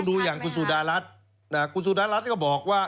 ต้องดูอย่างคุณสุดาลัทคุณสุดาลัทก็บอกว่า